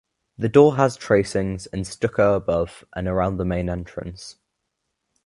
The door has tracings in stucco above and around the main entrance.